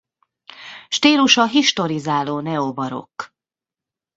Stílusa historizáló-neobarokk.